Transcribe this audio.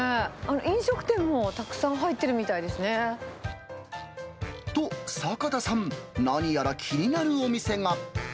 飲食店もたくさん入ってるみたいと、坂田さん、何やら気になるお店が。